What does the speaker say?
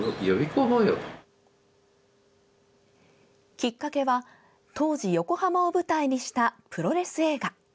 きっかけは当時横浜を舞台にしたプロレス映画。